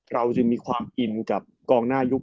เราอยู่มีความอินกับกลองหน้ายุค๙๐